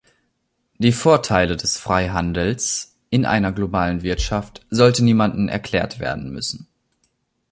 Die Vorteile des Freihandels in einer globalen Wirtschaf sollten niemandem erklärt werden müssen.